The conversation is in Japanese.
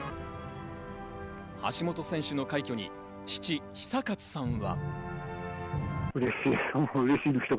橋本選手の快挙に、父・久一さんは。